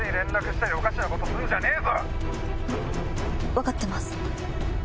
分かってます。